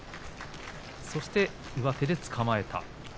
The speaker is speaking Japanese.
そして上手をつかまれました。